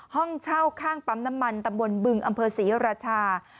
ห้องเช่าข้างปั๊มน้ำมันตำบลบึงอำเภอศรีราชา